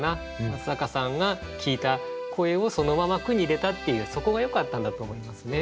松坂さんが聞いた声をそのまま句に入れたっていうそこがよかったんだと思いますね。